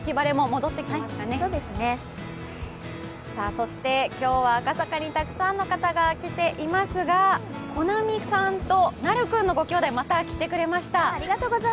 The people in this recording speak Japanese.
そして今日は赤坂にたくさんの方が来ていますが、こなみちゃんと、なる君のごきょうだいまた来てくださいました。